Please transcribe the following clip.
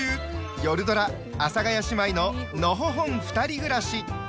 よるドラ「阿佐ヶ谷姉妹ののほほんふたり暮らし」。